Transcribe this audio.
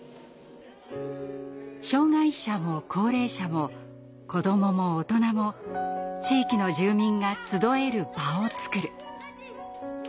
障害者も高齢者も子どもも大人も地域の住民が集える場を作る。